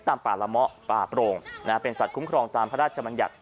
ป่าละเมาะป่าโปร่งเป็นสัตว์คุ้มครองตามพระราชมัญญัติ